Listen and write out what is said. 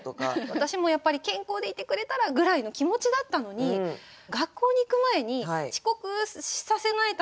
私もやっぱり健康でいてくれたらぐらいの気持ちだったのに学校に行く前に遅刻させないためにもうめちゃくちゃせかすんですよ。